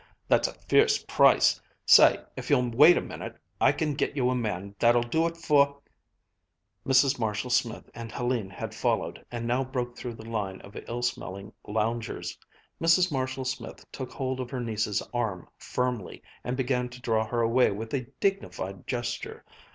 That's a fierce price. Say, if you'll wait a minute, I can get you a man that'll do it for " Mrs. Marshall Smith and Hélène had followed, and now broke through the line of ill smelling loungers. Mrs. Marshall Smith took hold of her niece's arm firmly, and began to draw her away with a dignified gesture.